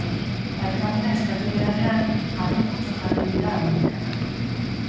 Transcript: Barkamena eskatu beharrean, harroputz jarri dira amerikarrak.